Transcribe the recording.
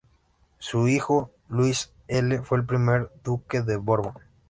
Su hijo, Luis I, fue el primer duque de Borbón.